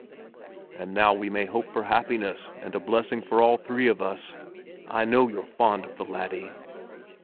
"And now we may hope for happiness and a blessing for all three of us. I know you're fond of the laddie."